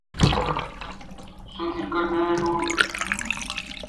سو کرکٹ نہ ناٹو۔